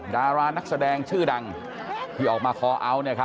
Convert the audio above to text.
ดารานักแสดงชื่อดังที่ออกมาคอเอาท์